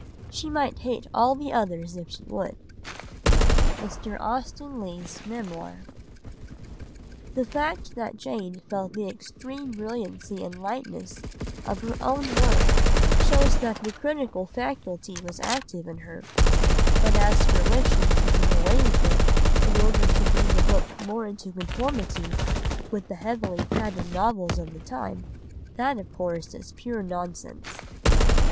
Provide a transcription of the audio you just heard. She might hate all the others if she would." (Mr. Austen Leigh's Memoir.) The fact that Jane felt the extreme brilliancy and lightness of her own work shows that the critical faculty was active in her, but as for wishing to do away with it in order to bring the book more into conformity with the heavily padded novels of the time, that of course is pure nonsense.